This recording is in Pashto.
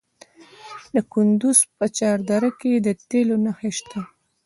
د کندز په چهار دره کې د تیلو نښې شته.